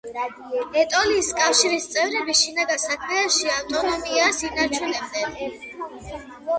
ეტოლიის კავშირის წევრები შინაგან საქმეებში ავტონომიას ინარჩუნებდნენ.